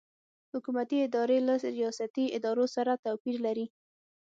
حکومتي ادارې له ریاستي ادارو سره توپیر لري.